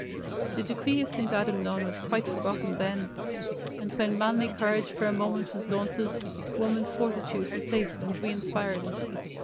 The decree of St. Adamnan was quite forgotten then, and when manly courage for a moment was daunted, woman's fortitude replaced and reinspired it.